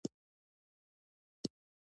لکه پکني، کانتوني او شانګهای یې مهمې لهجې دي.